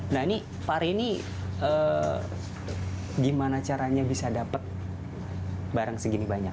nah ini fari ini gimana caranya bisa dapat barang segini banyak